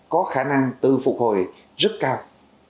có khả năng tự phục hồi rất cao